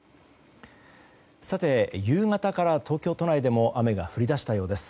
夕方から東京都内でも雨が降り出したようです。